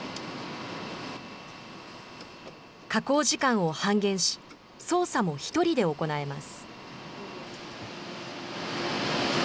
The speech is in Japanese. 加工時間を半減し、操作も１人で行えます。